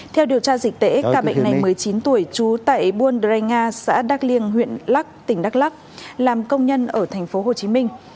theo điều tra dịch tễ ca bệnh này một mươi chín tuổi trú tại buôn drey nga xã đắk liêng huyện lắc tỉnh đắk lắc làm công nhân ở thành phố hồ chí minh